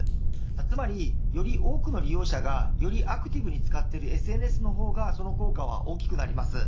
つまり、より多くの利用者がよりアクティブに使っているＳＮＳの方がその効果は大きくなります。